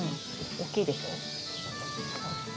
大きいでしょう？